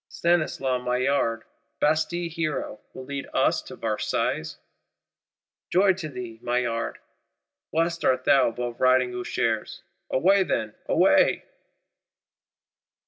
Stanislas Maillard, Bastille hero, will lead us to Versailles? Joy to thee, Maillard; blessed art thou above Riding Ushers! Away then, away!